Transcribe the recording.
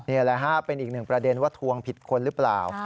นี่แหละฮะเป็นอีกหนึ่งประเด็นว่าทวงผิดคนหรือเปล่า